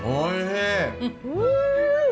うん！